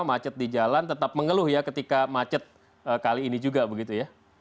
macet di jalan tetap mengeluh ya ketika macet kali ini juga begitu ya